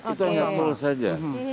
itu yang sama saja